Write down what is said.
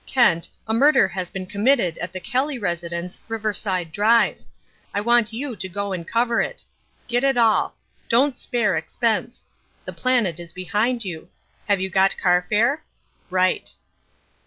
Kent, a murder has been committed at the Kelly residence, Riverside Drive. I want you to go and cover it. Get it all. Don't spare expense. The Planet is behind you. Have you got car fare? Right."